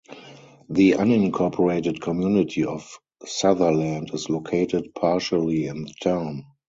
The unincorporated community of Sutherland is located partially in the town.